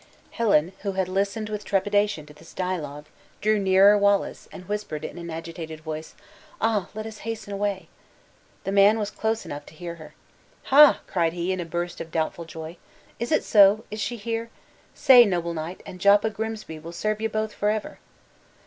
Helen, who had listened with trepidation to this dialogue, drew nearer Wallace, and whispered in an agitated voice, "Ah! let us hasten away." The man was close enough to hear her. "Hah!" cried he, in a burst of doubtful joy; "is it so? Is she here? say so, noble knight, and Joppa Grimsby will serve ye both forever!"